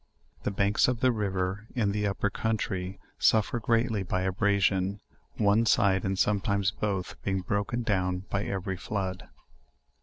The banks of the river in this upper country suffer greatly by abrasion, one side and sometimes both being broken down by every flood.